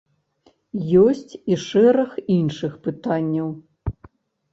Ёсць і шэраг іншых пытанняў.